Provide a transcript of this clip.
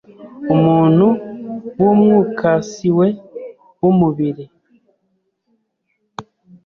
Umuntu wumwukasiwe wumubiri